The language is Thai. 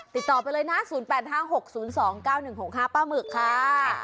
ติดต่อไปเลยนะ๐๘๕๖๐๒๙๑๖๕ป้าหมึกค่ะ